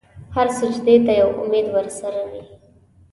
هر سجدې ته یو امید ورسره وي.